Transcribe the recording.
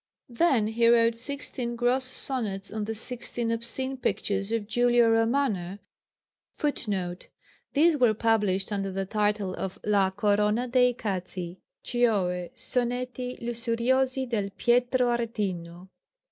Then he wrote sixteen gross sonnets on the sixteen obscene pictures of Giulio Romano [Footnote: These were published under the title of _La corona de i cazzi, cioë, sonetti lussuriosi del Pietro Aretino.